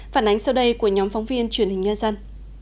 phản ánh sau đây của nhóm phóng viên truyền hình nhân dân